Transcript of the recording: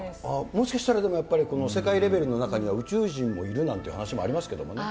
もしかしたらでもやっぱり、世界レベルの中では宇宙人もいるなんていう話もありますけどね。